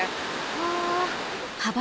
はぁ。